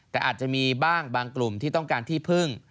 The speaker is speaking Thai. แต่อาจจะมีบ้างบางกลุ่มที่ต้องการที่พึ่ง